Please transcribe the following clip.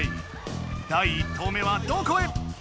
第１投目はどこへ？